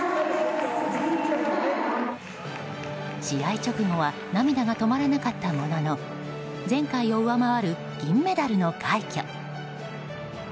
試合直後は涙が止まらなかったものの前回を上回る銀メダルの快挙。